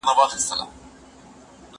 کرۍ ورځ ګرځي د کلیو پر مردارو